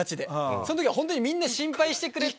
そん時はホントにみんな心配してくれて。